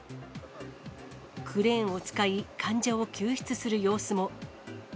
クレーンを使い、患者を救出する様子も。